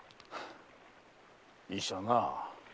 医者なあ。